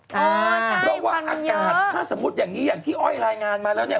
เพราะว่าอากาศถ้าสมมุติอย่างนี้อย่างที่อ้อยรายงานมาแล้วเนี่ย